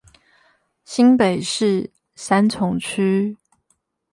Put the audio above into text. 新北市三重區